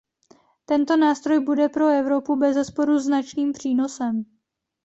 Tento nástroj bude pro Evropu bezesprou značným přínosem.